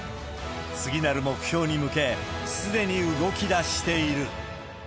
次なる目標に向け、すでに動きだしている。